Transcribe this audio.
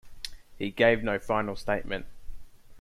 He gave no final statement.